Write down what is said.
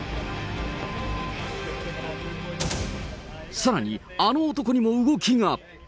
さらに、あの男にも動きが。